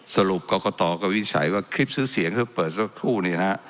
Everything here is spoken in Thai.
สรุปกรกตก็วิจัยว่าคลิปซื้อเสียงที่เปิดสักครู่นี้นะฮะ